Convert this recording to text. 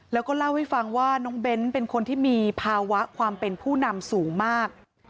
แล้วก็เล่าให้ฟังว่าน้องเบ้นเป็นคนที่มีภาวะความเป็นผู้นำสูงมาก